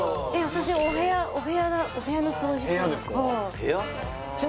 私お部屋だお部屋の掃除かな・部屋ですか？